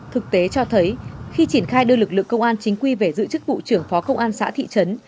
thực tế cho thấy khi triển khai đơn lực lượng công an chính quy về dự trức bộ trưởng phó công an xã thị trấn